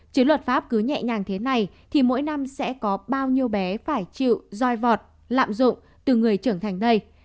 chiến luật pháp cứ nhẹ nhàng thế này thì mỗi năm sẽ có bao nhiêu bé phải chịu roi vọt lạm dụng từ người trưởng thành đây